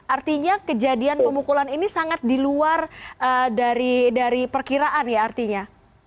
artinya kejadian pemukulan ini sangat di luar dari perkiraan ya artinya